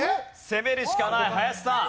攻めるしかない林さん。